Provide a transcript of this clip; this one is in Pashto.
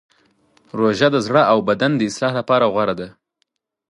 روژه د زړه او بدن د اصلاح لپاره غوره ده.